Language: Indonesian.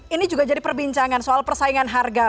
ini juga jadi perbincangan soal persaingan harga